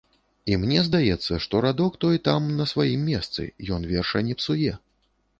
І мне здаецца, што радок той там на сваім месцы, ён верша не псуе.